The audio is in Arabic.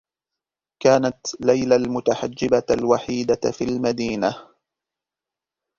كانت ليلى المتحجّبة الوحيدة في المدينة.